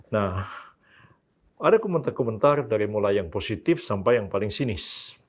nah ada komentar komentar dari mulai yang positif sampai yang paling sinis